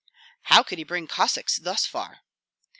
"How could he bring Cossacks thus far?"